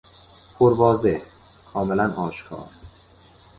پرواضح، کاملا آشکار